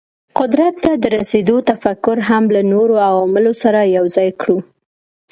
قدرت ته د رسېدو تفکر هم له نورو عواملو سره یو ځای کړو.